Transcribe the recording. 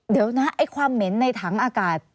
เดี๋ยวนะไอ้ความเหม็นในถังอากาศ